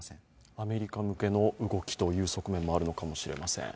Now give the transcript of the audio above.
アメリカ向けの動きという側面もあるのかもしれません。